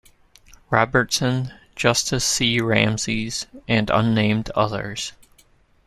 Robertson, Justus C. Ramsey, and unnamed others.